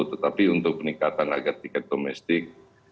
tetapi untuk peningkatan agar tiket domestik